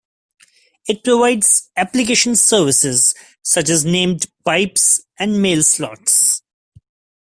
It provides application services such as named pipes and MailSlots.